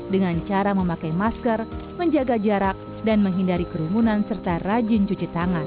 dengan cara memakai masker menjaga jarak dan menghindari kerumunan serta rajin cuci tangan